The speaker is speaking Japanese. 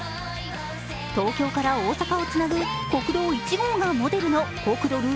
東京から大阪をつなぐ国道１号がモデルのコクドル